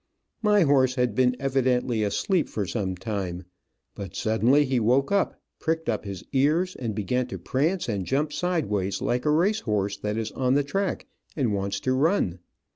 My horse had been evidently asleep for some time, but suddenly he woke up, pricked up his ears, and began to prance, and jump sideways like a race horse that is on the track, and wants to run.